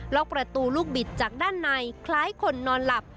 ล็อกประตูลูกบิดจากด้านในคล้ายคนนอนหลับ